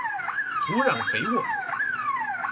土壤肥沃